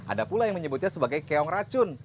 ada pula yang menyebutnya sebagai keong racun